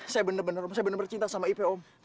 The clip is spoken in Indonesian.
saya bener bener om saya bener bener cinta sama ipih om